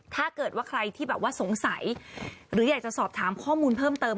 ถ้าเกิดว่าใครที่แบบว่าสงสัยหรืออยากจะสอบถามข้อมูลเพิ่มเติม